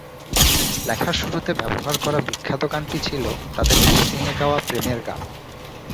লেখার শুরুতে ব্যবহার করা বিখ্যাত গানটি ছিল তাঁদের লিপসিং-এ গাওয়া প্রেমের গান।